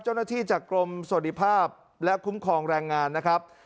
เจ้าหน้าที่จากกรมสวัสดิภาพและคุ้มครองแรงงานนะครับ